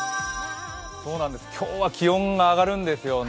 今日は気温が上がるんですよね。